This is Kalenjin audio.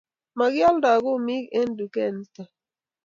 Maki aldoi kumiek eng duket nitok